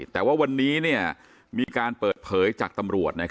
แต่ว่าวันนี้มีการเปิดเผยจากตำรวจ